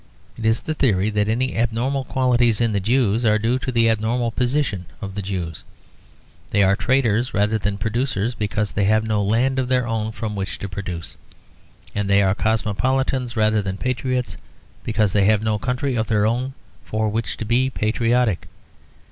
It is the theory that any abnormal qualities in the Jews are due to the abnormal position of the Jews. They are traders rather than producers because they have no land of their own from which to produce, and they are cosmopolitans rather than patriots because they have no country of their own for which to be patriotic.